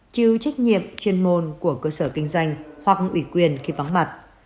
chịu trách nhiệm chuyên môn của cơ sở kinh doanh hoặc ủy quyền khi vắng mặt